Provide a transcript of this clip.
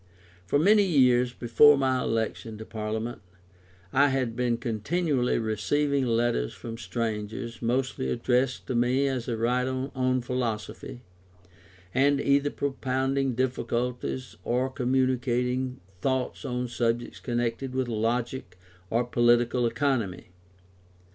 For many years before my election to Parliament, I had been continually receiving letters from strangers, mostly addressed to me as a writer on philosophy, and either propounding difficulties or communicating thoughts on subjects connected with logic or political economy.